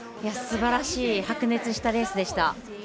すばらしい白熱したレースでした。